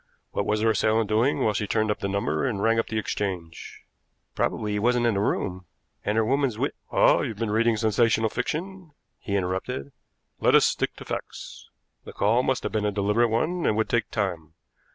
What was her assailant doing while she turned up the number and rang up the exchange?" "Probably he wasn't in the room, and her woman's wit " "Ah, you've been reading sensational fiction," he interrupted. "Let us stick to facts. The call must have been a deliberate one and would take time.